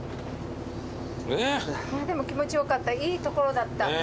でも気持ちよかったいい所だった。